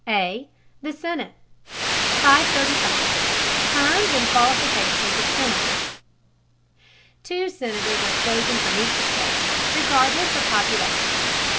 A. THE SENATE 535. TERM AND QUALIFICATIONS OF SENATORS. Two Senators are chosen from each state, regardless of population.